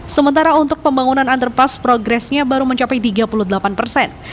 sementara untuk pembangunan underpass progresnya baru mencapai tiga puluh delapan persen